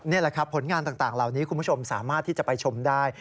นี่แหละครับผลงานต่างเหล่านี้คุณผู้ชมสามารถที่จะไปชมได้